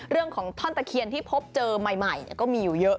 เรื่องของท่อนตะเคียนที่พบเจอใหม่เนี่ยก็มีอยู่เยอะ